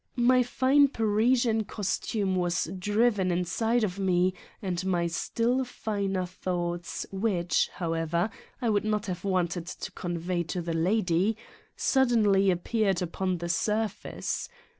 My fine Parisian costume was driven inside of me and my still finer thoughts which, however, I would not have wanted to con vey to the lady, suddenly appeared upon the sur face.